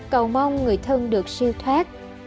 cầu mong người thân được siêu thoát